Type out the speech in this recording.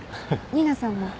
新名さんも。